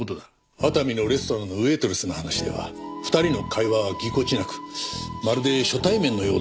熱海のレストランのウェートレスの話では２人の会話はぎこちなく「まるで初対面のようだった」と言ってる。